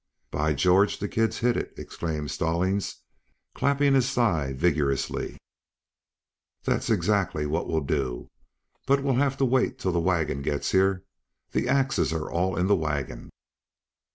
"By George, the kid's hit it!" exclaimed Stallings, clapping his thigh vigorously. "That's exactly what we'll do. But we'll have to wait till the wagon gets here. The axes are all in the wagon."